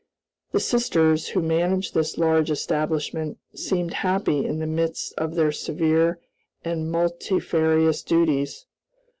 The sisters, who managed this large establishment, seemed happy in the midst of their severe and multifarious duties.